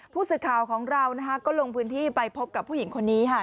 ผู้สื่อข่าวของเราก็ลงพื้นที่ไปพบกับผู้หญิงคนนี้ค่ะ